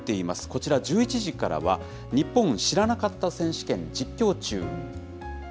こちら、１１時からは、ニッポン知らなかった選手権実況中！